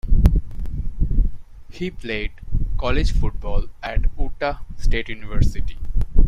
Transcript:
He played college football at Utah State University.